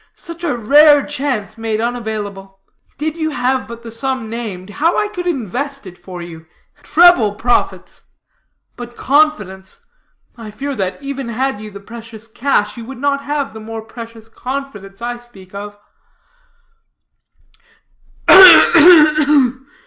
Such a rare chance made unavailable. Did you have but the sum named, how I could invest it for you. Treble profits. But confidence I fear that, even had you the precious cash, you would not have the more precious confidence I speak of."